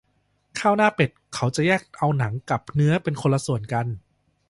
ข้าวหน้าเป็ด เขาจะแยกเอาหนังกับเนื้อเป็นคนละส่วนกัน